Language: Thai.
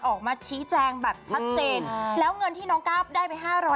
ออกมาชี้แจงแบบชัดเจนแล้วเงินที่น้องก้าวได้ไป๕๐๐